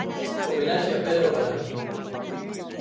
Homenaxe a Pedro Galán.